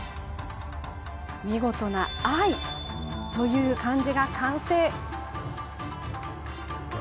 見事な愛という漢字が完成。